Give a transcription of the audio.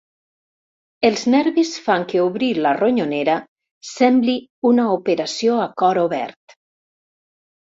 Els nervis fan que obrir la ronyonera sembli una operació a cor obert.